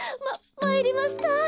まいりました。